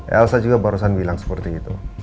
elsa juga barusan bilang seperti itu